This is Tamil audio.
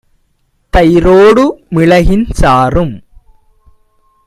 தயிரொடு மிளகின் சாறும்